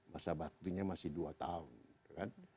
masa baktunya masih dua tahun